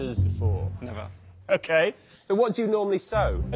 そう。